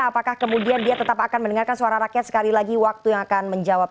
apakah kemudian dia tetap akan mendengarkan suara rakyat sekali lagi waktu yang akan menjawab